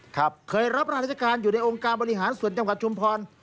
เคยรับราชการอยู่ในองค์การบริหารส่วนจังหวัดชุมพร